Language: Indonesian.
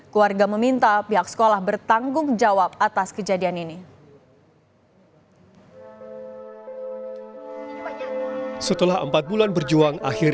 keluarga meminta pihak sekolah bertanggung jawab atas kejadian ini